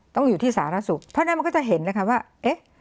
ต้องอยู่ที่สาธารณสุขเพราะฉะนั้นมันก็จะเห็นเลยค่ะว่าเอ๊ะ